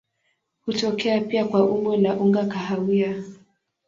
Hutokea pia kwa umbo la unga kahawia.